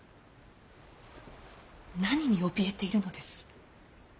何におびえているのです。